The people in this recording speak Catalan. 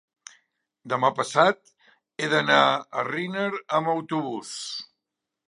demà passat he d'anar a Riner amb autobús.